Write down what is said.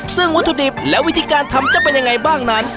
ซึ่งวัตถุดิบและวิธีการทำจะเป็นยังไงบ้างนั้น